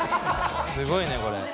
すごいねこれ。